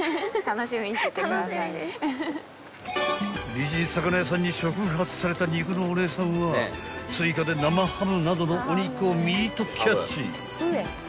［美人魚屋さんに触発された肉のお姉さんは追加で生ハムなどのお肉をミートキャッチ］